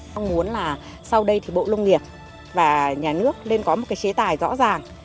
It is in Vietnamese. mong muốn là sau đây thì bộ lông nghiệp và nhà nước nên có một cái chế tài rõ ràng